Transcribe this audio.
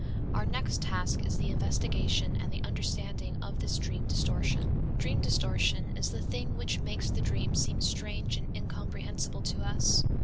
Our next task is the investigation and the understanding of this dream distortion. Dream distortion is the thing which makes the dream seem strange and incomprehensible to us.